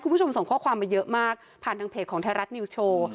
คุณผู้ชมส่งข้อความมาเยอะมากผ่านทางเพจของไทยรัฐนิวส์โชว์